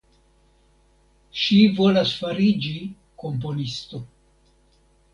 Ŝi volas fariĝi komponisto.